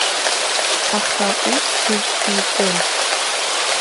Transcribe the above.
Аха усгьы икын.